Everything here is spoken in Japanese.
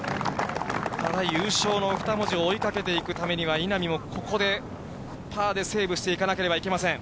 優勝の二文字を追いかけていくためには、稲見もここで、パーでセーブしていかなければいけません。